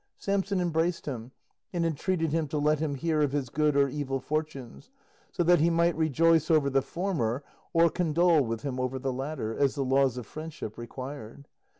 Samson embraced him, and entreated him to let him hear of his good or evil fortunes, so that he might rejoice over the former or condole with him over the latter, as the laws of friendship required.